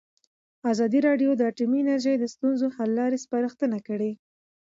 ازادي راډیو د اټومي انرژي د ستونزو حل لارې سپارښتنې کړي.